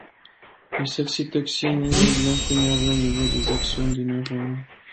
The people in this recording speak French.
Les saxitoxines inhibent l’influx nerveux au niveau des axones des neurones.